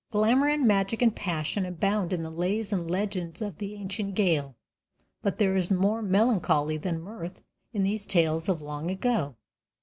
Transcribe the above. Glamour and magic and passion abound in the lays and legends of the ancient Gael, but there is more melancholy than mirth in these tales of long ago.